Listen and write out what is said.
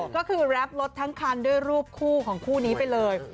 ก็คือแรปรถทั้งคันด้วยรูปคู่ของคู่นี้ไปเลย